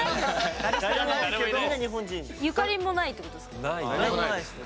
ゆかりもないってことですか？